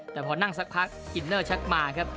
แต่พอนั่งสักพักอินเนอร์ชักมาครับ